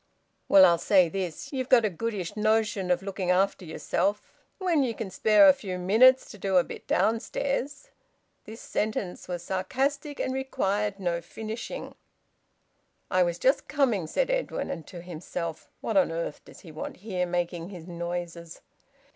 "Well, I'll say this. Ye've got a goodish notion of looking after yerself. When ye can spare a few minutes to do a bit downstairs " This sentence was sarcastic and required no finishing. "I was just coming," said Edwin. And to himself, "What on earth does he want here, making his noises?"